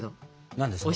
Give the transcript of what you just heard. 何ですか？